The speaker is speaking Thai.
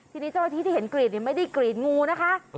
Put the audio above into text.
ทีนี้เจ้าอาทิตย์ที่เห็นกรีดนี่ไม่ได้กรีดงูนะคะ